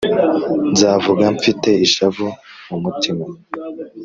“Nzavuga mfite ishavu mu mutima